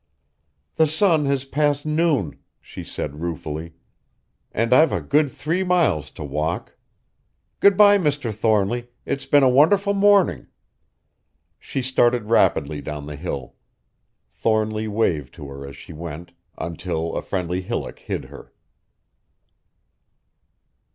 "The sun has passed noon," she said ruefully, "and I've a good three miles to walk. Good bye, Mr. Thornly, it's been a wonderful morning." She started rapidly down the hill. Thornly waved to her as she went, until a friendly hillock hid her.